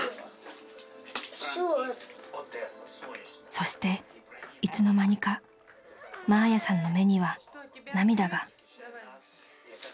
［そしていつの間にかマーヤさんの目には涙が］